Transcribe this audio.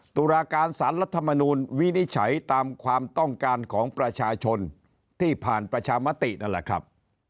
ตุลาการสารรัฐมนูลวินิจฉัยตามความต้องการของประชาชนที่ผ่านประชามตินั่นแหละครับ